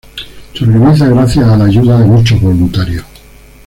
Se organiza gracias a la ayuda de muchos voluntarios.